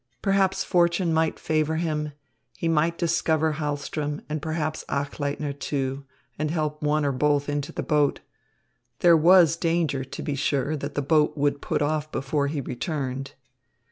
Perhaps fortune might favour him; he might discover Hahlström and perhaps Achleitner, too, and help one or both into the boat. There was danger, to be sure, that the boat would put off before he returned.